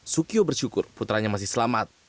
sukio bersyukur putranya masih selamat